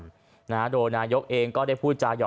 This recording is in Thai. โดนายกรรธบนตรีเองก็ได้พูดด้วย